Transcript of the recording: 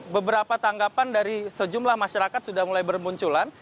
beberapa tanggapan dari sejumlah masyarakat sudah mulai bermunculan